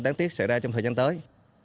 đáng tiếc xảy ra trong thời gian tới